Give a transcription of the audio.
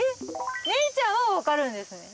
メイちゃんは分かるんですね。